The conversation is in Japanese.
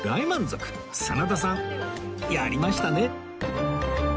真田さんやりましたね！